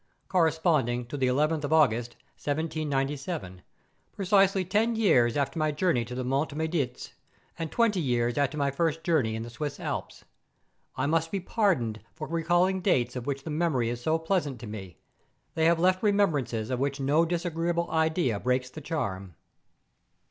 corresponding to the 11th of August, 1797, precisely ten years after my journey to the Monts Maudits, and twenty years after my first journey in the Swiss Alps. I must be pardoned for recalling dates of which the memory is so pleasant to me; they have left remembrances of which no disagreeable idea breaks the charm.